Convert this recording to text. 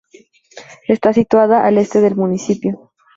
Está situada al este del municipio.